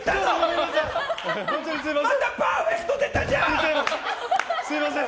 またパーフェクト出たじゃん！